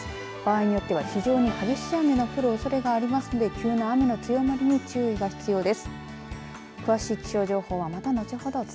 場合によっては非常に激しい雨の降るおそれがありますので雨の強まりに注意が必要です。